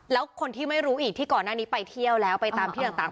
แล้วคนที่ไม่รู้อีกที่ก่อนหน้านี้ไปเที่ยวแล้วไปตามที่ต่าง